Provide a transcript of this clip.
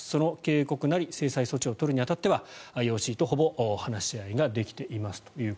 その警告なり制裁措置を取るに当たってはＩＯＣとほぼ話し合いができていると。